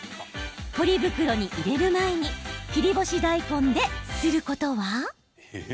ポリ袋に入れる前に切り干し大根ですることは？